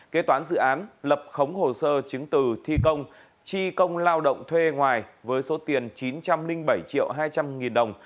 kế toán dự án lập khống hồ sơ chứng từ thi công tri công lao động thuê ngoài với số tiền chín trăm linh bảy triệu hai trăm linh nghìn đồng